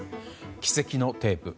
奇跡のテープ。